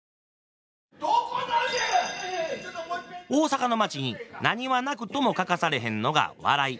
大阪の町に何はなくとも欠かされへんのが笑い。